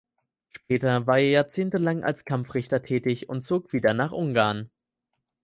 Später war er jahrzehntelang als Kampfrichter tätig und zog wieder nach Ungarn.